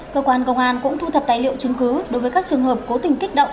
cơ quan công an cũng thu thập tài liệu chứng cứ đối với các trường hợp cố tình kích động